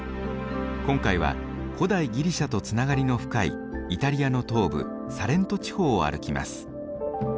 今回は古代ギリシャとつながりの深いイタリアの東部サレント地方を歩きます。